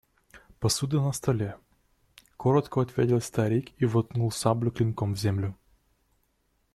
Посуда на столе, – коротко ответил старик и воткнул саблю клинком в землю.